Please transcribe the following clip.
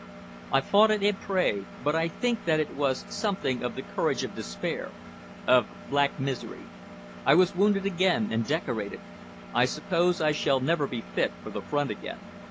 I fought at Ypres, but I think that it was something of the courage of despair, of black misery. I was wounded again and decorated. I suppose I shall never be fit for the front again.